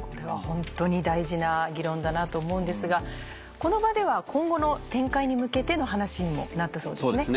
これはホントに大事な議論だなと思うんですがこの場では今後の展開に向けての話にもなったそうですね。